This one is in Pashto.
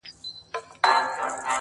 موده مخکي چي دي مړ سپین ږیری پلار دئ!!